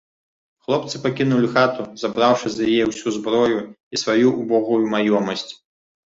Хлопцы пакінулі хату, забраўшы з яе ўсю зброю і сваю ўбогую маёмасць.